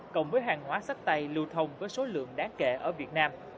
cộng với hàng hóa sách tay lưu thông với số lượng đáng kể ở việt nam